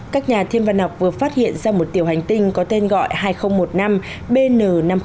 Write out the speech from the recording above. các nhà thiên văn học vừa phát hiện ra một tiểu hành tinh có tên gọi hai nghìn một mươi năm bn năm trăm linh nghìn